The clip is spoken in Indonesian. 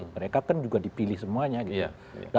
mereka kan juga dipilih semuanya gitu